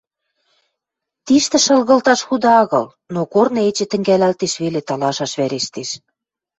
Тиштӹ шалгылташ худа агыл, но корны эче тӹнгӓлӓлтеш веле, талашаш вӓрештеш.